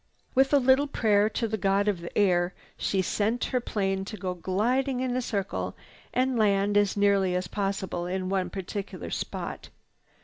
With a little prayer to the god of the air, she set her plane to go gliding in a circle and land as nearly as possible in one particular spot.